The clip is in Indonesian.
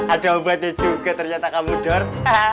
ada obatnya juga ternyata kamu dor